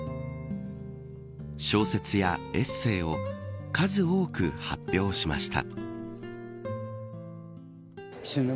小説やエッセイを数多く発表しました。